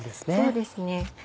そうですね。